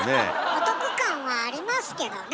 お得感はありますけどね。